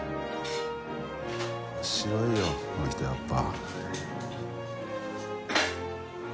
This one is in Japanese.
面白いよこの人やっぱ。